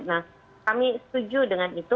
nah kami setuju dengan itu